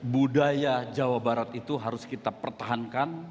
budaya jawa barat itu harus kita pertahankan